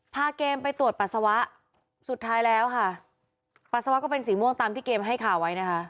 เกมไปตรวจปัสสาวะสุดท้ายแล้วค่ะปัสสาวะก็เป็นสีม่วงตามที่เกมให้ข่าวไว้นะคะ